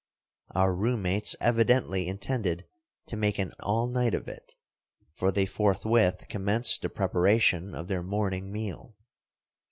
Our roommates evidently intended to make an "all night" of it, for they forthwith commenced the preparation of their morning meal.